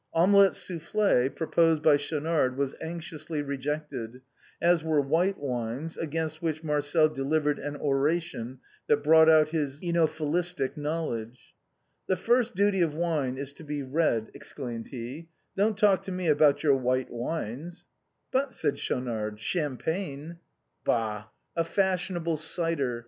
Omelette soufïïée, proposed by Schaunard, was anxiously rejected, as were white wines, against which Mar cel delivered an oration that brought out his œnophilistic knowledge. " The first duty of wine is to be red," exclaimed he, " don't talk to me about your white wines." " But," said Schaunard, "Champagne " musette's fancies. 263 " Bah ! a fashionable cider